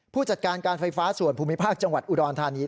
ผู้จัดการการไฟฟ้าส่วนภูมิภาคจังหวัดอุดรธานี